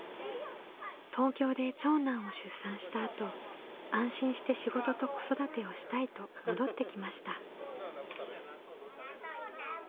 東京で長男を出産したあと安心して仕事と子育てをしたいと戻ってきました。